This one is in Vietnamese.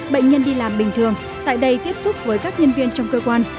bệnh nhân đi làm bình thường tại đây tiếp xúc với các nhân viên trong cơ quan